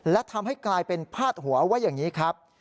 และทำให้กลายเป็นพาดหัวว่าอย่างนี้ครับ